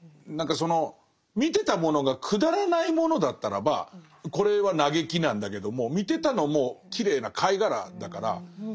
何かその見てたものがくだらないものだったらばこれは嘆きなんだけども見てたのもきれいな貝がらだから。